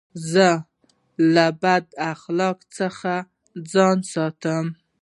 زه له بداخلاقۍ څخه ځان ساتم.